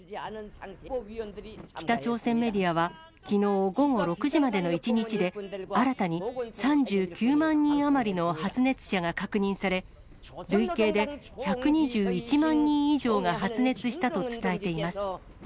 北朝鮮メディアは、きのう午後６時までの１日で、新たに３９万人余りの発熱者が確認され、累計で１２１万人以上が発熱したと伝えています。